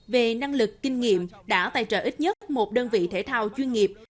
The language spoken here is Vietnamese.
về năng lực kinh nghiệm đã tài trợ ít nhất một đơn vị thể thao chuyên nghiệp